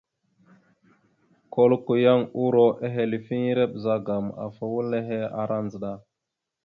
Koləko yan uro ehelefiŋere ɓəzagaam afa wal nehe ara ndzəɗa.